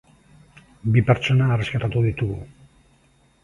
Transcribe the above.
Bi pertsona erreskatatu ditugu.